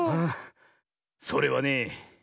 それはね